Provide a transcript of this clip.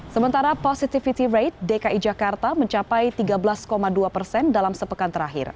sementara positivity rate dki jakarta mencapai tiga belas dua persen dalam sepekan terakhir